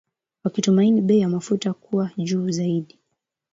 wakitumaini bei ya mafuta kuwa juu zaidi